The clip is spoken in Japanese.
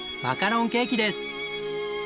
マカロンケーキです！